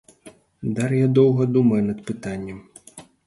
Дар'я доўга думае над пытаннем.